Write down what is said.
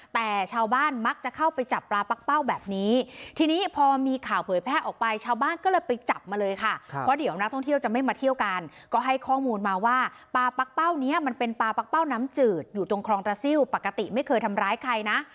แต่ชาวบ้านมักจะเข้าไปจับปลาปั๊กเป้าแบบนี้ทีนี้พอมีข่าวเผยแพร่ออกไปชาวบ้านก็เลยไปจับมาเลยค่ะเพราะเดี๋ยวนักท่องเที่ยวจะไม่มาเที่ยวกันก็ให้ข้อมูลมาว่าปลาปั๊กเป้านี้มันเป็นปลาปั๊กเป้าน้ำจืดอยู่ตรงคลองตระซิลปกติไม่เคยทำร้ายใครนะ